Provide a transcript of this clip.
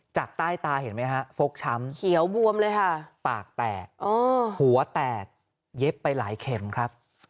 จากใต้ตาเห็นไหมฮะฟกช้ำเขียวบวมเลยค่ะปากแตกหัวแตกเย็บไปหลายเข็มครับ